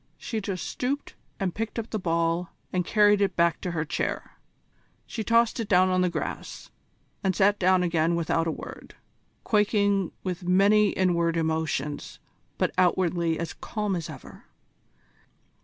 She just stooped and picked up the ball and carried it back to her chair. She tossed it down on the grass, and sat down again without a word, quaking with many inward emotions, but outwardly as calm as ever.